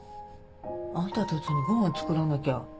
あんたたちにご飯作らなきゃ。